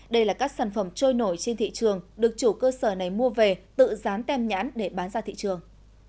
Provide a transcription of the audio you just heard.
đây là các sản phẩm trôi nổi trên thị trường được chủ cơ sở này mua về tự dán tem nhãn để bán ra thị trường